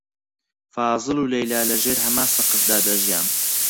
فازڵ و لەیلا لەژێر هەمان سەقفدا دەژیان.